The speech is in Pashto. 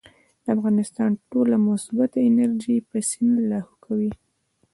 د انسان ټوله مثبت انرجي پۀ سين لاهو کوي -